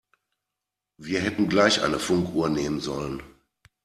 Wir hätten gleich eine Funkuhr nehmen sollen.